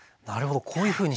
こういうふうにして。